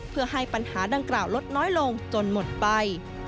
เพื่อให้ปัญหาดังกล่าวลดน้อยลงจนหมดไป